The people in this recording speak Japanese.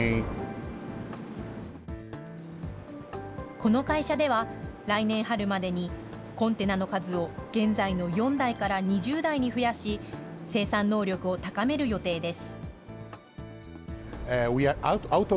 この会社では、来年春までにコンテナの数を現在の４台から２０台に増やし、生産能力を高める予定です。